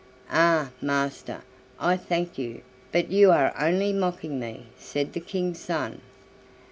"Ah! master, I thank you but you are only mocking me," said the King's son.